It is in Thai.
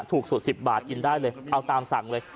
ถูกสุด๑๐บาทกินได้เลยเอาตามสั่งเลย